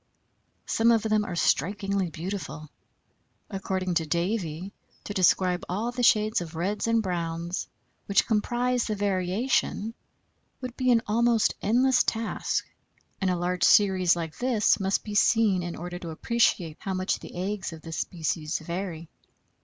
Some of them are strikingly beautiful. According to Davie, to describe all the shades of reds and browns which comprise the variation would be an almost endless task, and a large series like this must be seen in order to appreciate how much the eggs of this species vary.